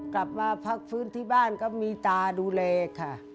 กลับมาพักฟื้นที่บ้านก็มีตาดูแลค่ะ